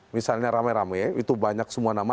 misalnya rame rame itu banyak semua nama